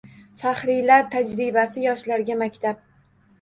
Faxriylar tajribasi – yoshlarga maktab